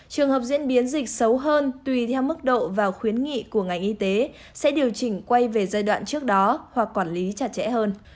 trường hợp diễn biến dịch xấu hơn tùy theo mức độ và khuyến nghị của ngành y tế sẽ điều chỉnh quay về giai đoạn trước đó hoặc quản lý chặt chẽ hơn